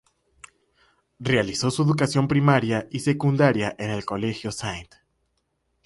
Realizó su educación primaria y secundaria en el Colegio St.